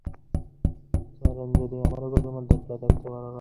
আর Superman কোনোভাবেই ওখানে আমার জন্য বন্ধু খুঁজছিল না।